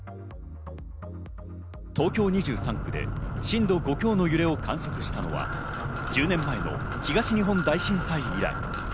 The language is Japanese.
東京２３区で震度５強の揺れを観測したのは１０年前の東日本大震災以来。